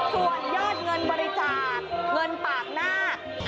ส่วนยอดเงินบริจาคเงินปากหน้า